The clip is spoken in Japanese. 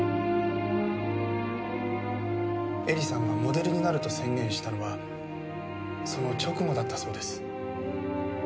絵里さんがモデルになると宣言したのはその直後だったそうです。